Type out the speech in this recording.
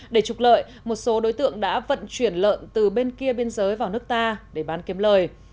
để trục lợi một số đối tượng đã vận chuyển lợn từ bên kia biên giới vào nước ta để bán kiếm lời